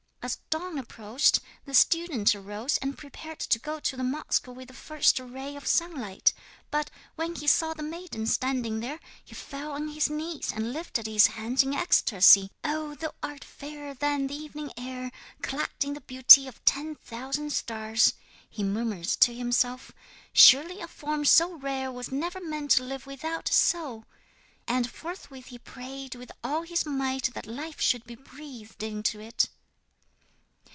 'As dawn approached the student arose and prepared to go to the mosque with the first ray of sunlight. But, when he saw the maiden standing there, he fell on his knees and lifted his hands in ecstasy. '"Oh, thou art fairer than the evening air, clad in the beauty of ten thousand stars," he murmured to himself. "Surely a form so rare was never meant to live without a soul." And forthwith he prayed with all his might that life should be breathed into it.